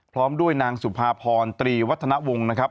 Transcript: พร้อมด้วยนางสุภาพรตรีวัฒนวงศ์นะครับ